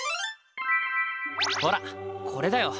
ほらこれだよ！